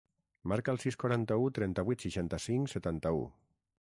Marca el sis, quaranta-u, trenta-vuit, seixanta-cinc, setanta-u.